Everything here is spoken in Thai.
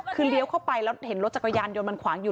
คือเลี้ยวเข้าไปแล้วเห็นรถจักรยานยนต์มันขวางอยู่